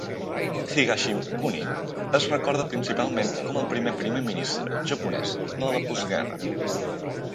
Higashikuni es recorda principalment com el primer Primer ministre japonès de la postguerra.